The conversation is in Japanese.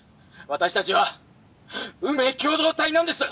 私たちは運命共同体なんです！」。